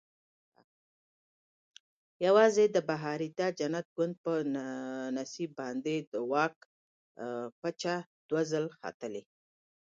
یوازې د بهاریته جنت ګوند په نصیب باندې د واک پچه دوه ځله ختلې.